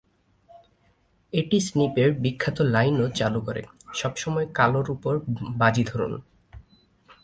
এটি স্নিপের বিখ্যাত লাইনও চালু করে: সবসময় কালোর উপর বাজি ধরুন।